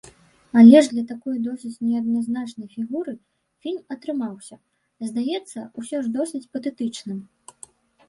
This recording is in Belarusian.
Але ж для такой досыць неадназначнай фігуры фільм атрымаўся, здаецца, усё ж досыць патэтычным.